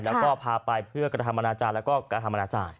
แล้วก็พาไปเพื่อกระทำอนาจารย์แล้วก็กระทำอนาจารย์